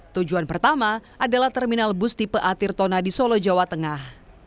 tujuan pertama adalah terminal bus tipe a tirtona di solo jawa tengah